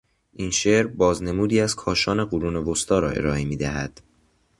این شعر بازنمودی از کاشان قرون وسطی را ارائه میدهد.